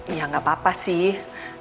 ya gak papa sih